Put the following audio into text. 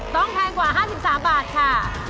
แพงกว่า๕๓บาทค่ะ